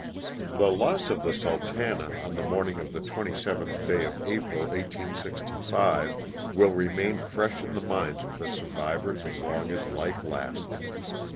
The loss of the "Sultana," on the morning of the 27th day of April, 1865, will remain fresh in the minds of the survivors as long as life lasts.